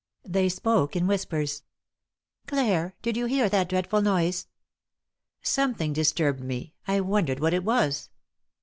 They spoke in whispers. "Clare, did yon hear that dreadful noise ?"" Something disturbed me, I wondered what it was."